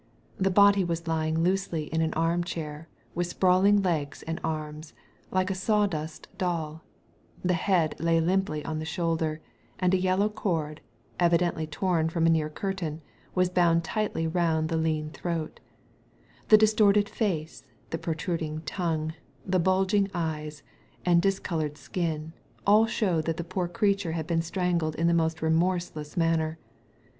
The body was lying loosely in an armchair, with sprawling legs and arms, like a saw dust dolL The head lay limply on the shoulder, and a yellow cord — evidently torn from a near curtain — ^was bound tightly round the lean throat The distorted face, the protruding tongue, the bulging eyes, and discoloured skin, all showed that the poor creature had been strangled in the most remorseless manner.